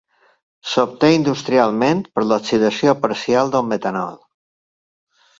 S'obté industrialment per l'oxidació parcial del metanol.